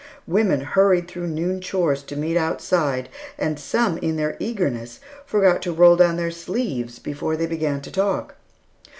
Women hurried through noon chores to meet outside, and some in their eagerness forgot to roll down their sleeves before they began to talk.